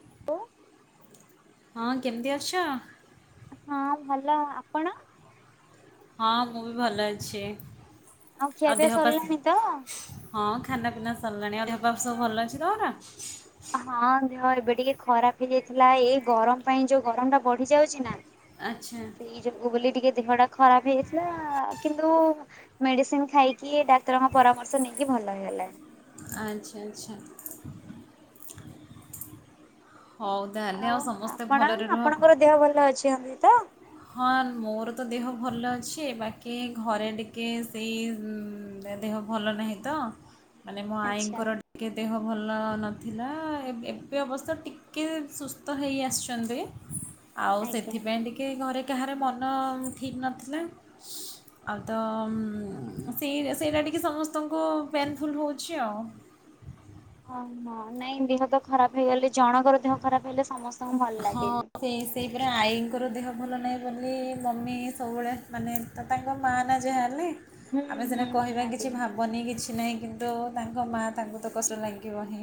[inaudible] ହଁ କେମିତି ଅଛ? ହଁ ଭଲ ଆପଣ। ହଁ ମୁଁ ବି ଭଲ ଅଛି। ଆଉ ଖିଆ ପିଆ ଦେହ ପା ସରିଲାଣି ତ ହଁ ଖାନା ପିନା ସରିଲାଣି ଆପ ସବୁ ଭଲ ଅଛି ତର ହଁ ଦେହ ଏବେ ଟିକେ ଖରାପ ହେଇଯାଇଥିଲା ଏଇ ଗରମ ପାଇଁ ଯୋଉ ଗରମ ଟା ବଢି ଯାଉଛି ନା ଆଚ୍ଛା ସେଇ ଯକୁୁ ବଲି ଟିକେ ଦେହ ଟା ଖରାପ ହେଇଥିଲା କିନ୍ତୁ ମେଡିସିନ ଖାଇକି ଡାକ୍ତରଙ୍କ ପରାମର୍ଶ ନେଇକି ଭଲ ହେଇଗଲାଣି ଆଚ୍ଛା ଆଚ୍ଛା। ହଉ ତାହେଲେ ଆଉ ସମସ୍ତେ ଆପଣ ଭଲରେ ରୁହ। ଆପଣଙ୍କର ଦେହ ଭଲ ଅଛି। [unintelligible] ହଁ ମୋର ତ ଦେହ ଭଲ ଅଛି ବାକି ଘରେ ଟିକେ ସେଇ ଦେହ ଭଲ ନାହିଁ ତ ମାନେ ମୋ ଆଚ୍ଛା ଆଈଙ୍କର ଟିକେ ଦେହ ଭଲ ନଥିଲା ଏବେ ଅବସ୍ଥା ଟିକେ ସୁସ୍ଥ ହେଇ ଆସିଛନ୍ତି। ଆଉ ଆଜ୍ଞା। ସେଥିପାଇଁ ଟିକେ ଘରେ କାହାର ମନ ଠିକ୍ ନଥିଲା ଆଉ ତ ସେ ସେଇଟା ଟିକେ ସମସ୍ତଙ୍କୁ ପେନଫୁଲ୍ ହେଉଛି ଆଉ ହଁ ନାଇଁ ନାଇଁ ଦେହତ ଖରାପ ହେଇଗଲେ ଜଣଙ୍କର ଦେହ ଖରାପ ହେଲେ ସମସ୍ତଙ୍କୁ ଭଲ ହଁ ଲାଗେନି। ସେଇ ସେଇପରା ଆଈଙ୍କର ଦେହ ଭଲ ନାହିଁ ବୋଲି ମମି ସବୁବେଳେ ମାନେ ତ ତାଙ୍କ ମା ନା ଯାହା ହେଲେ। ହୁଁ ଆମେ ସିନା ହୁଁ କହିବା ନିହାତି କିଛି ଭାବନି କିଛି ନାଇଁ କିନ୍ତୁ ତାଙ୍କ ମା ତାଙ୍କୁ ତ କଷ୍ଟ ଲାଗିବ ହିଁ।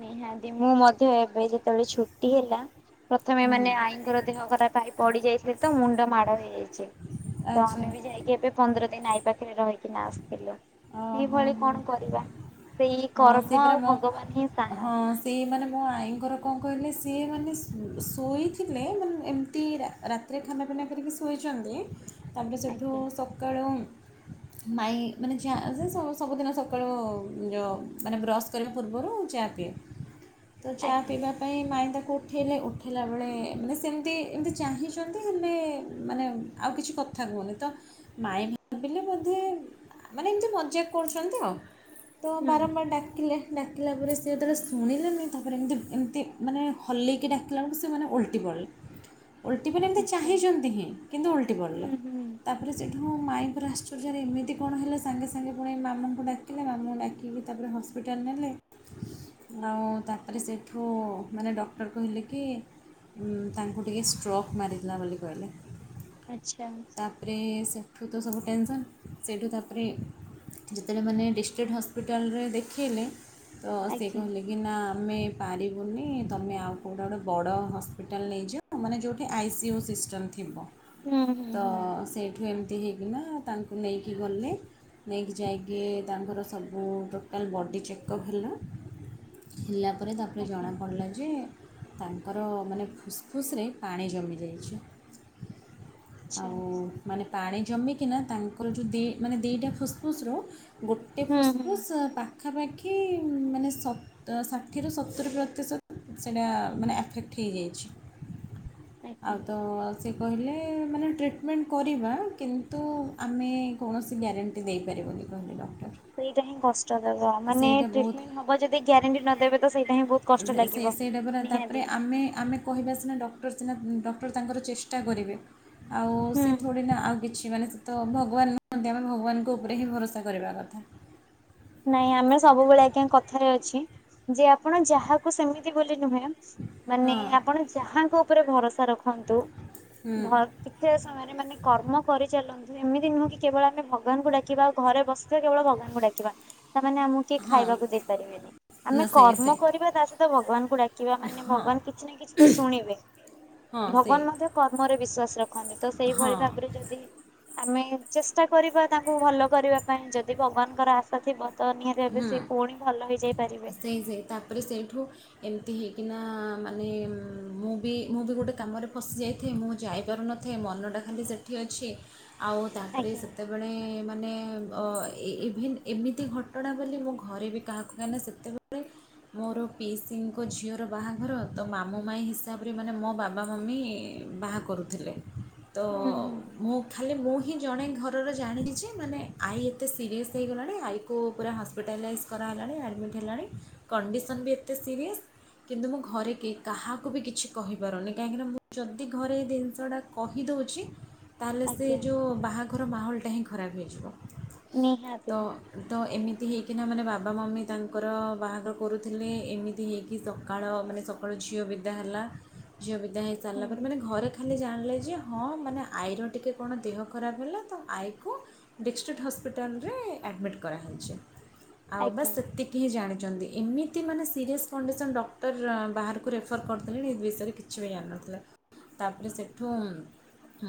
ନିହାତି ମୁଁ ମଧ୍ୟ ଏବେ ଯେତେବେଳେ ଛୁଟି ହେଲା ପ୍ରଥମେ ହୁଁ ମାନେ ଆଈଙ୍କର ଦେହ ଖରାପ ପଡି ଯାଇଥିଲେ ତ ମୁଣ୍ଡ ମାଡ ହେଇଯାଇଥିଲା। [unintelligible] ତ ଆଚ୍ଛା ଆମେବି ଯାଇକି ଏବେ ପନ୍ଦର ଏଇନା ଆଉ ପାଖରେ ରହିକି ନା ଆସିଥିଲୁ। ଓ ହଁ ଏଇଭଳି ହଁ। କଣ କରିବା। ଏଇ ହଁ ସେ କର୍ମ ପରା ଆଉ ମୋ ଭଗବାନ ହିଁ ସାହା। ହଁ ସେଇ ସେମାନେ ମୋ ଆଈଙ୍କର କଣ କହିଲେ ସିଏ ମାନେ ଶୋଇଥିଲେ ମାନେ ଏମିତି ରାତିରେ ଖାନାପିନା କରିକି ଶୋଇଛନ୍ତି। ତାପରେ ସେଠୁ ଆଜ୍ଞା ସକାଳୁ ମାଇଁ ମାନେ ଯା ସ ସବୁଦିନ ସକାଳୁ ଯୋ ମାନେ ବ୍ରସ୍ କରିବା ପୂର୍ବରୁ ଚା ପିଏ ତ ଚା ଆଜ୍ଞା ପିଇବା ପାଇଁ ମାଇଁ ତ ଉଠେଇଲେ ଉଠେଇଲା ବେଳେ ମାନେ ସେମିତି ଏମିତି ଚାହିଁଛନ୍ତି ହେଲେ ମାନେ ଆଉ କିଛି କଥା କହୁନି ତ ମାଇଁ ଭାବିଲେ ବୋଧେ ମାନେ ଏମିତି ମଜାକ କରୁଛନ୍ତି ଆଉ ତ ହୁଁ ବାରମ୍ବାର ଡାକିଲେ ଡାକିଲା ପରେ ସେ ଯେତେବେଳେ ଶୁଣିଲେନି ତାପରେ ଏମିତି ଏମିତି ମାନେ ହଲେଇକି ଡାକିଲା ବେଳକୁ ସେ ମାନେ ଓଲଟି ପଡ଼ିଲେ। ଓଲଟି ପଡିଲେ ଏମିତି ଆଚ୍ଛା ଚାହିଁଛନ୍ତି ହିଁ କିନ୍ତୁ ଓଲଟି ହୁଁ ପଡ଼ିଲା ହୁଁ ତାପରେ ସେ ମୋ ମାଇଁଙ୍କର ଆଶ୍ଚର୍ଯ୍ୟରେ ଏମିତି କଣ ହେଲେ ସାଙ୍ଗେ ସାଙ୍ଗେ ପୁଣି ମାମା ଡାକିଲେ ମାମା ାକିଲି ଦେଖିକି ତାପରେ ହସ୍ପିଟାଲ ନେଲେ ଆଉ ତାପରେ ସେଠୁ ମାନେ ଡକ୍ଟର କହିଲେ କି ତାଙ୍କୁ ଟିକେ ଷ୍ଟ୍ରୋକ୍ ମାରିଥିଲା ବୋଲି କହିଲେ। ଆଚ୍ଛା ତାପରେ ସେଠୁ ତ ସବୁ ଟେନସନ୍ ସେଠୁ ତାପରେ ଯେତେବେଳେ ମାନେ ଡିଷ୍ଟ୍ରିଡ୍ ହସ୍ ହସ୍ପିଟାଲରେ ଦେଖେଇଲେ ତ ସେଏ ଆଜ୍ଞା କହିଲେ କି ନା ଆମେ ପାରିବୁନି ତମେ ଆଉ କୋଉଟା ଗୋଟେ ବଡ଼ ହସ୍ପିଟାଲ୍ ନେଇଯ ମାନେ ଯେଉଠି ଆଇସିୟୁ ସିଷ୍ଟମ୍ ଥିବ। ହୁଁ ହୁଁ ତ ହୁଁ ସେଠୁ ଏମତି ଏମିତି ହେଇକିନା ତାଙ୍କୁ ନେଇକି ଗଲେ ନେଇକି ଯାଇକି ତାଙ୍କର ସ ସବୁ ଟୋଟାଲ୍ ବଡ଼ି ଚେକଅପ୍ ହେଲା। ହେଲା ତାପରେ ତାପରେ ଆଜ୍ଞା ଜଣାପଡ଼ିଲା ଯେ ତାଙ୍କର ମାନେ ଫୁସ୍ ଫୁସ୍ ରେ ପାଣି ଜମିଯାଇଛି। ଆଚ୍ଛା ଆଉ ମାନେ ପାଣି ଜମିକିନା ତାଙ୍କର ଯେଉଁ ଦି ମାନେ ଦିଟା ଫୁସ୍ ଫୁସ୍ ରୁ ଗୋ ଏ ହୁଁ ଫୁସ୍ ହୁଁ ଫୁସ୍ ଅଁ ପା ପାଖାପାଖି ମାନେ ସତୁ ଷାଠିରୁ ସତୁରି ପ୍ରତିଶତ ସେଇଟା ମାନେ ଆଫେକ୍ଟ୍ ହେଇଯାଇଛି। ଆଜ୍ଞା। ଆଉ ତ ସେ କହିଲେ ମାନେ ଟ୍ରିଟମେଣ୍ଟ କରିବା କିନ୍ତୁ ଆମେ କୌଣସି ଗ୍ୟାରେଣ୍ଟି ଦେଇପାରିବୁନି କହିଲେ ଡକ୍ଟର। ସେଇଟା ହିଁ କଷ୍ଟ ଦେବ ମାନେ ସେଇଟା ବହୁତ ଟ୍ରିଟମେଣ୍ଟ ହବ ଯଦି ଗ୍ୟାରେଣ୍ଟି ନଦବେ ତ ସେଇଟା ହିଁ ବହୁତ କଷ୍ଟ ସେ ଲାଗିବ। ସେଇଟା ପରା ତାପରେ ନିହାତି ଆମେ ଆମେ କହିବା ସିନା ଡକ୍ ରୋ ସିନା ଡକ୍ଟର ତାଙ୍କର ଚେଷ୍ଟା କରିବେ। ଆଉ ହୁଁ ସେ ଥୋଡ଼ି ନା ଆଉ କିଛି ମାନେ ତ ଭଗବାନ ନୁହନ୍ତି। ଆମେ ଭଗବାନଙ୍କ ଉପରେ ହିଁ ଭରସା କରିବା କଥା। ନାଇଁ ଆମେ ସବୁବେଳେ ଆଜ୍ଞା କଥାରେ ଅଛି ଯେ ଆପଣ ଯାହାକୁ ସେମିତି ବୋଲି ନୁହେଁ ମାନେ ହଁ ଆପଣ ଯାହାଙ୍କ ଉପରେ ଭରସା ରଖନ୍ତୁ ହୁଁ କିିବା ସମୟରେ ମାନେ କର୍ମ କରିଚାଲନ୍ତୁ ଏମିତି ନୁହେଁ କି କେବଳ ଆମେ ଭଗବାନଙ୍କୁ ଡାକ କିବା ଘରେ ବସିଥିବା କେବଳ ଭଗବାନ୍ ଙ୍କୁ ଡାକିବା। ତାମାନେ ଆମକୁ କିଏ ହଁ ଖାଇବାକୁ ଦେଇପାରିବେନି ଆମେ ନା ସେ ସେ କର୍ମ କରିବା ତା ସହିତ ଭଗବାନଙ୍କୁ ଡାକିବା ମାନେ ହଁ ଭଗବାନ କିଛି ନା କିଛି ତ ଶୁଣିବେ ହଁ ସେ ଭଗବାନ ମଧ୍ୟ କର୍ମରେ ବିଶ୍ଵାସ ରଖନ୍ତି ତ ହଁ ସେଇଭଳି ଭାବରେ ଯଦି ଆମେ ଚେଷ୍ଟା କରିବା ତାଙ୍କୁ ଭଲ କରିବା ପାଇଁ ଯଦି ଭଗବାନଙ୍କର ଆଶା ଥିବ ତ ନିହାତି ଭାବେ ହୁଁ ସେ ପୁଣି ଭଲ ହେଇଯାଇ ପାରିବେ ସେଇ ସେଇ ତାପରେ ସେଇଠୁ ଏମିତି ହେଇକି ନା ମାନେ ମୁଁ ବି ମୁଁ ବି ଗୋଟେ କାମରେ ଫସିଯାଇଥାଏ ମୁଁ ଯାଇପାରୁନଥାଏ ମନଟା ଖାଲି ସେଠି ଅଛି ଆଉ ତାପରେ ଆଜ୍ଞା। ସେତେବେଳେ ମାନେ ଇଭେନ୍ ଏମିତି ଘଟ ଘଟଣା ବୋଲି ମୋ ଘରେ ବି କାହାକୁ କାହିଁକି ନା ସେତେବେଳେ ମୋର ପିଈସିଙ୍କ ଝିଅର ବାହାଘର ତ ମାମୁ ମାଇଁ ହିସାବରେ ମାନେ ମୋ ବାବା ମମି ବାହା କରୁଥିଲେ। ତ ହୁଁ ହୁଁ। ମୁଁ ଖାଲି ମୁଁ ହିଁ ଜଣେ ଘରର ଜାଣିଲି ଯେ ମାନେ ଆଈ ଏତେ ସିରିଅସ୍ ହେଇଗଲାଣି ଆଇକୁ କୁ ପୁରା ହସ୍ପିଟାଲାଇଜ୍ କରାହେଲାଣି ଆଡ଼ମିଟ୍ ହେଲାଣି କଣ୍ଡିସନ୍ ବି ଏତେ ସିରିଅସ୍ କିନ୍ତୁ ମୁଁ ଘରେ କେ କାହାକୁ ବି କିଛି କହିପାରୁନି କାହିଁକିନା ମୁଁ ଯଦି ଘରେ ଏ ଜିନିଷଟା କହିଦେଉଛି ତାହେଲେ ସେ ଆଜ୍ଞା ଯେଉଁ ବାହାଘର ମାହୋଲଟା ପେହେଁ ଖରାପ ହେଇଯିବ ତ ନିହାତି। ତ ଏମିତି ହେଇକିନା ମାନେ ବାବା ମମି ତାଙ୍କର ବାହାଘର କରୁଥିଲେ ଏମିତି ହେଇକି ସକାଳ ମାନେ ସକାଳୁ ଝିଅ ବିଦା ହେଲା ଝିଅ ବିଦା ହୁଁ ହେଇସାରିଲା ପରେ ମାନେ ଘରେ ଖାଲି ଜାଣି କହିଲା ଯେ ହଁ ମାନେ ଆଈର ଟିକେ କଣ ଦେହ ଖରାପ ହେଲା ତ ଆଈକୁ ଡିଷ୍ଟ୍ରିକ୍ଟ ହସ୍ପିଟାଲରେ ଆଡ଼ମିଟ୍ କରା ହେଇଛି। ଆଉ ଆଜ୍ଞା। ବାସ୍ ସେତିକି ହିଁ ଜାଣି ି [inaudible] ଏମିତି ମାନେ ସିରିଅସ୍ କଣ୍ଡିସନ୍ ଡକ୍ଟର ବାହାରକୁ ରେଫର୍ କରିଥିଲେଣି ଏ ବିଷୟରେ କିଛି ବି ଜାଣିନଥିଲା ତାପରେ ସେଠୁ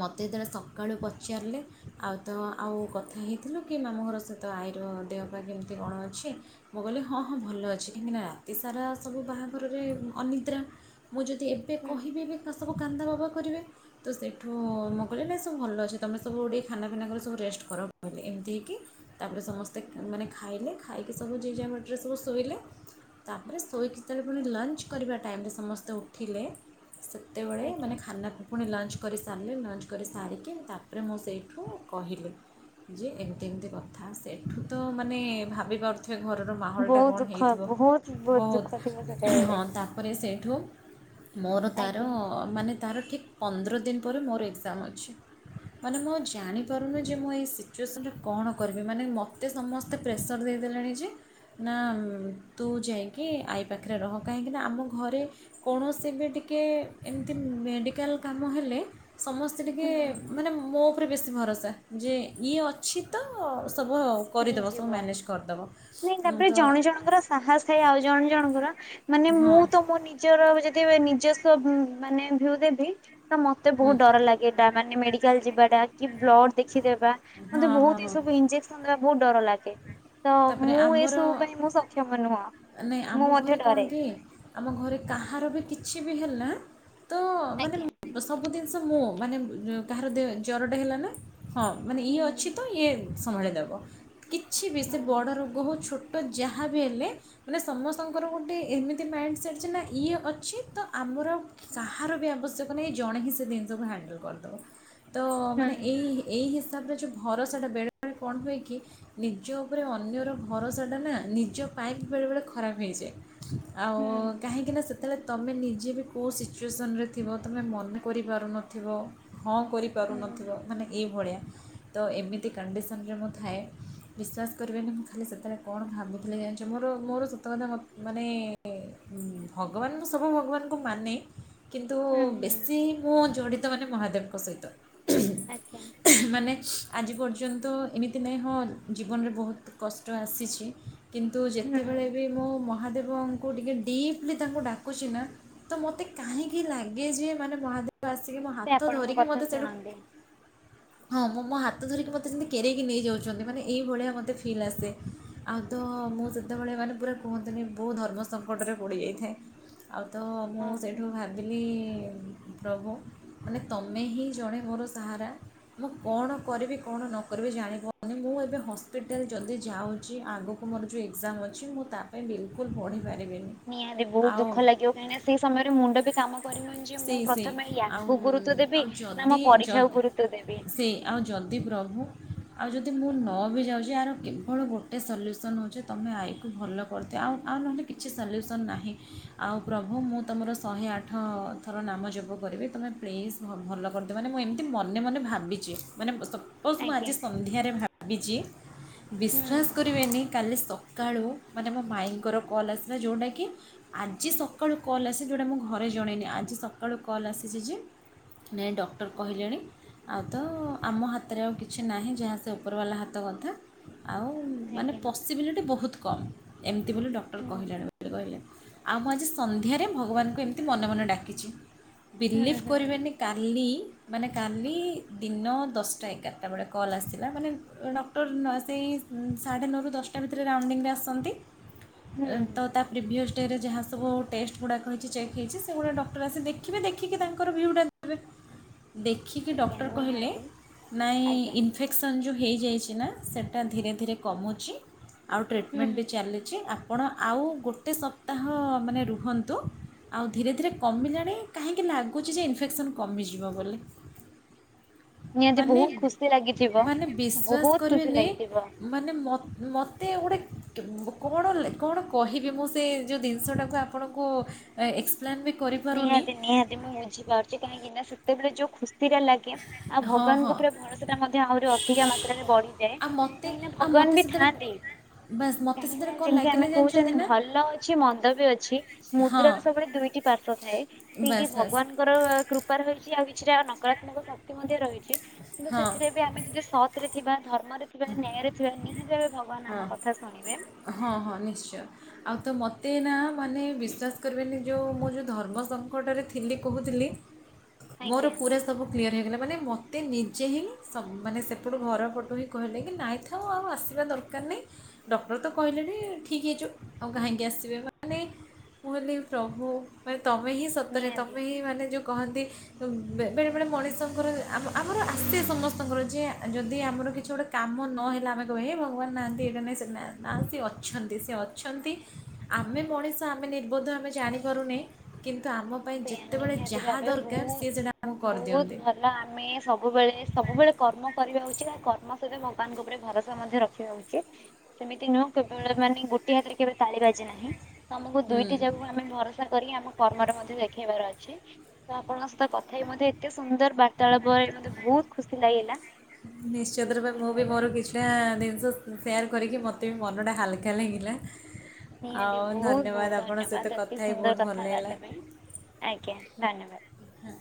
ମୋତେ ଯେତେବେଳେ ସକାଳୁ ପଚାରିଲେ ଆଉ ତ ଆଉ କଥା ହେଇଥିଲୁ କି ମାମୁଁ ଘର ସହିତ ଆଇ ତ ଦେହ ପାା କେମିତି କଣ ଅଛି ମୁଁ କହିଲି ହଁ ହଁ ଭଲ ଅଛି କାହିଁକି ରାତି ସାରା ସବୁ ବାହାଘରରେ ଅନିଦ୍ରା ମୁଁ ଯଦି ଏବେ ହୁଁ। କହିବି ତ ସବୁ କାନ୍ଦ ଵ କରିବେ ତ ସେଇଠୁ ମୁଁ କହିଲେ ନାଇଁ ସବୁ ଭଲ ଅଛି ତମେ ସବୁ ଗୁଡ଼ିଏ ଖାନା ଫିନା କରି ସବୁ ରେଷ୍ଟ କର କହିଲି ଏମିତି ହେଇକି ତା ପରେ ସମସ୍ତେ ସ୍ତେ ମାନେ ଖାଇଲେ ଖାଇକି ସବୁ ଯେଝା ବାଟରେ ସବୁ ଶୋଇଲେ ତାପରେ ଶୋଇକି ଯେତେବେଳେ ପୁଣି ଲଞ୍ଚ କରିବା ଟାଇମରେ ସମସ୍ତେ ଉଠିଲେ ସେତେବେଳେ ଆଜ୍ଞା ମାନେ ଖାନା ପୁଣି ଲଞ୍ଚ କରି ସାରିଲେ ଲଞ୍ଚ କରି ସାରିକି ତା ପରେ ମୁଁ ସେଇଠୁ କହିଲି ଯେ ଏମିତି ଏମିତି କଥା ସେଇଠୁ ତ ମାନେ ଭାବି ପାରୁଥି ସେ ଘରର ମାହୋଲଟା ବହୁତ କଣ ଦୁଃଖ ହେଇଥିବ ବହୁତ ବହୁତ ଦୁଃଖ ଥିବ ସେତେବେଳେ ହଁ ତାପରେ ସେଇଠୁ ମୋର ତାର ଆଜ୍ଞା। ମାନେ ତାର ଠିକ ପନ୍ଦର ଦିନି ପରେ ମୋର ଏଗଜାମ ଅଛି ମାନେ ମୁଁ ଆଉ ଜାଣିପାରୁନି ଯେ ମୁଁ ଏଇ ସିଚୁଏସନରେ କଣ କରିବି ମାନେ ମ ତେ ସମସ୍ତେ ପ୍ରେସର ଦେଇଦେଲେଣି ଯେ ନା ଉଁ ତୁ ଯାଇକି ଆଇ ପାଖରେ ରହ କାହିଁକିନା ଆମ ଘରେ କୌଣସି ବି ଟିକେ ଏମିତି ମେଡ଼ିକାଲ କାମ ହେଲେ ସମସ୍ତେ ଟିକେ ହୁଁ ମାନେ ମୋ ଉପରେ ବେଶୀ ଭରସା ଯିଏ ଇଏ ଅଛି ତ ସବୁ କରିଦେବ ସବୁ ହେଇଯିବ ମ୍ୟାନେଜ୍ କରିଦେବ ନାଇଁ ଉଁ, ତାପରେ ତ ଜଣେ ଜଣଙ୍କର ସାହସ ଥାଏ ଆଉ ଜଣେ ଜଣଙ୍କର ମାନେ ମୁଁ ହଁ ତ ମୋ ନିଜର ହବ ଯଦି ନି ନିଜସ୍ବ ଉ ମାନେ ଭିଉ ଦେବି ତ ମତେ ହୁଁ ବହୁତ ଡର ଲାଗେ ଡା ମାନେ ମେଡିକ କାଲ ଯିବା ଟା କି ବ୍ଲଡ଼ ଦେ ଖିଦେବା ହଁ ମତେ ହଁ ବହୁତ ଏ ହଁ ସବୁ ଇଞ୍ଜେକ୍ସ ଡର ତାପରେ ଆମର ଏସବୁ ପାଇଁ ମୁଁ ସକ୍ଷମ ନୁହଁ ନାଇଁ ଆମ ମୁଁ ମଧ୍ୟ ଘରେ କଣ ଡରେ। କି ଆମ ଘରେ କାହାର ବି କିଛି ବି ହେ ହେଲା। ତ ମାନେ ଆଜ୍ଞା। ସବୁ ସବୁ ଜିନିଷ ମୁଁ ମାନେ ଉ କାହାର ଦେ ଜର ଟା ହେଲା ନା ହଁ ମାନେ ଇଏ ଅଛି ତ ଇଏ ସମ୍ଭାଳି ଦବ। କିଛି ବି ସେ ବଡ ରୋଗ ହଉ ଛୋ ଟ ଯାହା ବି ହେଲେ ମାନେ ସମସ୍ତଙ୍କର ଗୋଟେ ଏମିତି ମାଇଣ୍ଡ ସେଟ ଯେ ନା ଇଏ ଅଛି ତ ଆମର ଆଉ କାହାର ବି ଆବଶ୍ୟକ ନାହିଁ ଏ ଜଣେ ହିଁ ସେ ଜିନିଷକୁ ହ୍ୟାଣ୍ଡଲ କରିଦବ। ତ ମାନେ ଏଇ ଏଇ ହିସ ତାପରେ ଯୋଉ ଭରସାଟା ବେଳେବେଳେ କଣ ହୁଏ କି? ନିଜ ଉପରେ ଅନ୍ୟର ଭରସାଟା ନା ନିଜ ପାଇଁ ବି ବେଳେବେଳେ ଖରାପ ହେଇଯାଏ। ଆଉ କାହିଁକି ନା ସେ ତେବେଳେ ତମେ ନିଜେ ବି କୋଉ ସିଚୁଏସନରେ ଥିବ ତମେ ମନେ କରିପାରୁନଥିବ ହଁ କରିପାରୁନଥିଦ ହୁଁ-ହୁଁ-ହୁଁ-ହୁଁ-ହୁଁ-ହୁଁ। ମାନେ ଏଇ ଭଳିଆ। ତ ଏମିତି କଣ୍ଡିସନରେ ମୁଁ ଥାଏ ବିଶ୍ୱାସ କରିବେନି ମୁଁ ଖାଲି ସେତେବେଳେ କଣ ଭାବୁଥିଲି ଜାଣିଛ ମୋର ମୋର ସତ କଥା ମ ମାନେ ଉ ଭଗବାନ ମୁଁ ସବୁ ଭଗବାନଙ୍କୁ ମାନେ କିନ୍ତୁ ବେଶୀ ମୁଁ ଜଡ଼ିତ ମାନ ମହାଦେବଙ୍କ ସହିତ। ଆଚ୍ଛା ମାନେ ଆଜି ପର୍ଯ୍ୟନ୍ତ ଏମିତି ନାହିଁ ହଁ ଜୀବନରେ ବହୁତ କଷ୍ଟ ଆସିଛି କିନ୍ତୁ ହୁଁ ଯେତେବେଳେ ବି ମୋ ମ ମହାଦେବଙ୍କୁ ଟିକେ ଡିପ୍ଲି ତାଙ୍କୁ ଡାକୁଛି ନା ତ ମୋତେ କାହିଁକି ଲାଗେ ଯେ ମାନେ ମହାଦେବ ଆସିକି ମୁୋ ସେ ହାତ ଆପଣଙ୍କ ଧରିକି କଥା ମୋତେ ସେଠୁ ଶୁଣନ୍ତି ହଁ ମୁଁ ମୋ ହାତ ଧରିକି ମତେମିତି କେରକି ନେଇ ଯାଉଛନ୍ତି ମାନେ ଏହିଇଭଳିଆ ମୋତେ ଫିଲ୍ ଆସେ ଆଉ ତ ମୁଁ ସେତେବେଳେ ମାନେ ପୁରା କୁହନ୍ତିନି ବହୁ ଧର୍ମ ସଙ୍କଟରେ ପଡ଼ିଯାଇଥାଏ। ଆଉ ତ ମୁଁ ହଁ ସେଇଠୁ ହୁଁ। ଭାବିଲି ପ୍ରଭୁ ମାନେ ତମେ ହିଁ ଜଣେ ମୋର ସାହାରା ମୁଁ କଣ କରିବି କଣ ନ କରିବି ଜାଣିପ ମାନି ମୁଁ ଏବେ ହସ୍ପିଟାଲ ଯଦି ଯାଉଛି ଆଗକୁ ମୋର ଯୋଉ ଏକ୍ଜାମ ଅଛି ମୁଁ ତା ପାଇଁ ବିଲକୁଲ ପଢି ନିହାତି ବହୁତ ଦୁଃଖ ଲାଗିବ କାହିଁକି ସେ ସମୟରେ ମୁଣ୍ଡ ବି କାମ କରିନୁ ଯେ ମୁଁ ସେଇ ସେଇ ପ୍ରଥମେ ଆଉ ୟାକୁ ଗୁରୁତ୍ଵ ଦେବି ଆଉ ନା ଯଦି ମୋ ପରୀକ୍ଷାକୁ ଗୁରୁତଵ ଦେବି ସେଇ ଆଉ ଯଦି ପ୍ରଭୁ ଆଉ ଯଦି ମୁଁ ନ ବି ଯାଉଛି ଆର କେବଳ ଗୋଟେ ସଲ୍ୟୁସନ୍ ହେଉଛି ତୁମେ ଆଈକୁ ଭଲ କରିଦିଅ ଆଉ ଆଉ ନହେଲେ କିଛି ସଲ୍ୟୁସନ୍ ନାହିଁ ଆଉ ପ୍ରଭୁ ମୁଁ ତୁମର ଶହେ ଆଠ ଥର ନାମ ଜପ କରିବି ତୁମେ ପ୍ଲିଜ୍ ଭଲ କରିଦିଅ ମାନେ ମୁଁ ଏମିତି ମନେ ମନେ ଭାବିଛି ମାନେ ବସ୍ ମୁଁ ଆଜ୍ଞା ଆଜି ସନ୍ଧ୍ୟାରେ ଭାବିଛି ବିଶ୍ଵାସ ହୁଁ କରିବେନି କା କାଲି ସକାଳୁ ମାନେ ମୋ ମାଇଁ ଙ୍କର କଲ୍ ଆସିଲା ଯେଉଁଟାକି ଆଜି ସକାଳୁ କଲ୍ ଆସି ଯେଉଁଟା ମୁଁ ଘରେ ଜଣେଇନି ଆଜି ସକାଳୁ କଲ୍ ଆସିଛି ଯେ ନାଇଁ ଡକ୍ଟର କହିଲେଣି ଆଉ ତ ଆମ ହାତରେ ଆଉ କିଛି ନାହିଁ ଯାହା ସେ ଉପରବାଲା ହାତ ହାତ କଥା ଆଉ ମାନେ ଆଜ୍ଞା ପସିବିଲିଟି ବହୁତ କମ୍ ଏମିତି ବୋଲି ଡକ୍ଟର ହୁଁ କହିଲାଣି ବୋଲି କହିଲେ। ଆଉ ମୁଁ ଆଜି ସନ୍ଧ୍ୟାରେ ଭଗବାନଙ୍କୁ ଏମିତି ମନ ମନେ ଡାକିଛି ବିଲିଭ୍ ହୁଁ କରିବେନି ହୁଁ କାଲି ମାନେ କାଲି ଦିନ ଦଶଟା ଏଗାରଟା ବ କଲ ଆସା ମାନେ ଡକ୍ଟର ସେଇ ସାଢ଼େ ନଅରୁ ଦଶଟା ଭିତରେ ରାଉଣ୍ଡିଙ୍ଗରେ ଆସନ୍ତି। ତ ହୁଁ ତା ପ୍ରିଭିଅସ୍ ରେ ଯାହା ସବୁ ଟେଷ୍ଟ ଗୁଡ଼ାକ ହେଇଛି ଚେକ୍ ହେଇଛି ସେଗୁଡ଼ା ଡକ୍ଟର ଆସି ଦେଖିବେ ଦେଖିକି ତାଙ୍କର ଭିୁଟା ଦେବେ। ଦେଖିକି ଆଜ୍ଞା ଡକ୍ଟର କହିଲେ ନିହାତି ନାଇଁ ଆଜ୍ଞା ଇନଫେକ୍ସନ୍ ଯେଉଁ ହୋଇଇଯାଇଛି ନା ସେଇଟା ଧୀରେ ଧୀରେ କମୁଛି। ଆଉ ଟ୍ରିଟମେଣ୍ଟ ହୁଁ ବି ଚାଲିଛି ଆଉ ଆପଣ ଆଉ ଗୋଟେ ସପ୍ତାହ ମାନେ ରୁହନ୍ତୁ ଆଉ ଧୀରେ ଧୀରେ କମିଲାଣି କାହିଁକି ଲାଗୁଛି ଯେ ଇନଫେକ୍ସନ୍ କମିଯିବ ବୋଲି। ନିହାତି ମାନେ ବହୁତ ଖୁସି ଲାଗିଥିବ। ମାନେ ବିଶ୍ୱାସ ବହୁତ ଖୁସି କରିବେନି ଲାଗିଥିବ ମାନେ ମୋତେ ଗୋଟେ କଣ କଣ କହିବି ମୁଁ ସେ ଯେଉଁ ଜିନିଷଟାକୁ ଆପଣଙ୍କୁ ବି କରିପାରୁନି ନିହାତି ନିହାତି ମୁଁ ବୁଝି ପାରୁଛି କାଇଁ କିିନା ସେତେବେଳେ ଯୋଉ ଖୁସି ସ୍ଥିରା ଲାଗେ ଆଉ ହଁ ଭଗବାନଙ୍କ ହଁ ଉପରେ ଭରସା ଟା ହଜେ ଆହୁରି ଅଧିକା ମାତ୍ରାରେ ବଢିଯାଏ ଆଉ ମୋତେ କାହିଁକି ଆଉ ଭଗବାନ ମୋତେ ବି ସେଥିରେ ଥାଆନ୍ତି ବାସ୍ ମୋତେ ସେଥିରେ କାହିଁକି କ'ଣ ଯେମିତି ଆମେ ଲାଗିଲା ଜାଣିଛନ୍ତି କହୁଛନ୍ତି ନା ଭଲ ଅଛି ମନ୍ଦ ବି ଅଛି। ହଁ ମୁଦ୍ରାର ସବୁ ବେଳେ ଦୁଇଟି ପାର୍ଶ୍ଵ। ଥାଏ ସେଇଠି ବାସ୍ ବାସ୍ ଭଗବାନଙ୍କର କୃପା ରହି କିଛି ଆଉ କିଛିଟା ନକାତ୍ମକ ଶକ୍ତି ମଧ୍ୟ ରହିଛି। କିନ୍ତୁ ହଁ ସେଥିରେ ବି ଆମେ ଯଦି ସତରେ। ଥିବା ଧର୍ମରେ ଥିବା ନ୍ୟାୟରେ ଥିବା ନିହାତି ଭଗବାନ ହଁ ଆମ କଥା ଶୁଣିବେ। ହଁ ହଁ ନିଶ୍ଚୟ ଆଉ ତ ମୋତେ ନା ମାନେ ବିଶ୍ୱାସ କରିବେନି ଯଉ ମୁଁ ଯେଉଁ ଧର୍ମ ସଙ୍କଟରେ ଥିଲି କହୁଥିଲି। ମୋର ଆଜ୍ଞା ପୁରା ସବୁ କ୍ଲିୟର ହେଇଗଲା। ମାନେ ମୋତେ ନିଜେ ହିଁ ସବୁ ମାନେ ସେପଟୁ ଘର ପଟୁ ହିଁ କହିଲେ କି ନାଇଁଥାଉ ଆଉ ଆସିବା ଦରକାର ଦରକାର ନାହିଁ ଡକ୍ଟର ତ କହିଲେ ଯେ ଠିକ୍ ହେଇଛ ଆଉ କାହିଁକି ଆସିବେ ମାନେ ମୁ କହିଲି ହେ ପ୍ରଭୁ ତମେ ହିଁ ସତରେ ନିହାତି ତମେ ହିଁ ମାନେ ଯୋଉ କହନ୍ତି ବେଳେବେଳେ ମଣିଷଙ୍କର ଆମର ଆସେ ସମସ୍ତଙ୍କର ଯେ ଯଦି ଆମର କିଛି ଗୋଟେ କାମ ନହେଲା ଆମେ କହେ ହେ ଭଗ କୁ ନାହାନ୍ତି ଏଇଟା ନାହିଁ ନାହାନ୍ତି ଅଛନ୍ତି ସେ ଅଛନ୍ତି ଆମେ ମଣିଷ ଆମେ ନିର୍ବୋଧ ଆମେ ଜାଣିପାରୁନି କିନ୍ତୁ ଆମ ପାଇଁ ସେଇଆ ଯେତେବେଳେ ନିହାତି ଯାହା ଭାବେ ଦରକାର ସିଏ ସେଇଟା ଆମକୁ ବହୁତ ବହୁତ କରିଦିଅନ୍ତି। ଭଲ ଆମେ ସବୁବେଳେ ସବୁବେଳେ କର୍ମ। କରିବା ଉଚିତ କର୍ମ ସହିତ ଭଗବାନଙ୍କ ଉପରେ ଭରସା ମଧ୍ୟ ରଖିବା ଉଚିତ ସେମିତି ନୁହଁ କେବବେଳ ମାନେ ଗୋଟିଏ ହାତରେ କେବେ ତାଳି ବାଜେ ନାହିଁ। ତମକୁ ହୁଁ। ଦୁଇଟି ଜାଗାକୁ ଆମେ ଭରସା କରି ଆମ କର୍ମରେ ମଧ୍ୟ ଯାଇ ତୋର ଅଛି ଆପଣଙ୍କ ତଥା ବି ମତେ ଏତେ ସୁନ୍ଦର ବାର୍ତାଳାପରେ ମତେ ବହୁତ ଖୁସି ଲାଗିଲା। ନିଶ୍ଚିତ ରୂପେ ମୁଁ ବି ମୋର କିଛିଟା ଜିନିଷ ସେୟାର କରିକି ମୋତେ ବି ମନଟା ହାଲକା ଲାଗିଲା। ନିହାତି ଆଉ ବହୁତ ବହୁତ ଧନ୍ୟବାଦ ଆପଣଙ୍କ ସହିତ ଧନ୍ୟବାଦ ଅତି କଥା ହେଇ ସୁନ୍ଦର ବହୁତ ଭଲ ଲାଗିଲା। କଥାବାର୍ତ୍ତା ପାଇଁ ଆଜ୍ଞା। ଧନ୍ୟବାଦ। ହଁ।